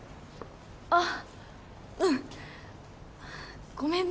あうんごめんね